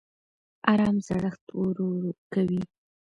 ارام زړښت ورو کوي